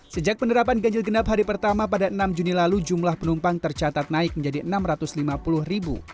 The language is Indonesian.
sejak penerapan ganjil genap hari pertama pada enam juni lalu jumlah penumpang tercatat naik menjadi enam ratus lima puluh ribu